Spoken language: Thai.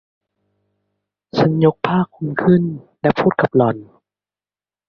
ฉันยกผ้าคลุมขึ้นและพูดกับหล่อน